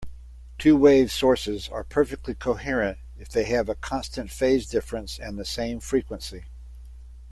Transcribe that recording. Two-wave sources are perfectly coherent if they have a constant phase difference and the same frequency.